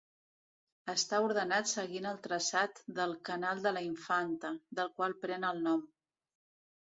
Està ordenat seguint el traçat del Canal de la Infanta, del qual pren el nom.